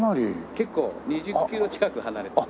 結構２０キロ近く離れてるので。